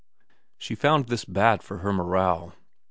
She found this bad for her morale.